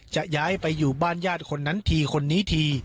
ย้ายไปอยู่บ้านญาติคนนั้นทีคนนี้ที